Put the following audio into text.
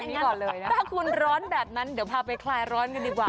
ถ้าคุณร้อนแบบนั้นเดี๋ยวพาไปคลายร้อนกันดีกว่า